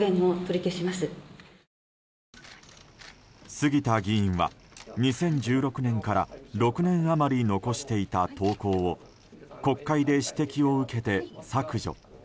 杉田議員は、２０１６年から６年余り残していた投稿を国会で指摘を受けて削除。